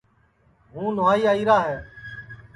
ہوں نہوائی آئی را ہے